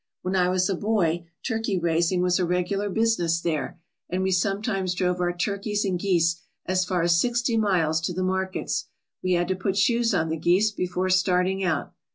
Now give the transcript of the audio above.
When I was a boy turkey raising was a regular business there, and we sometimes drove our turkeys and geese as far as sixty miles to the markets. We had to put shoes on the geese before starting out."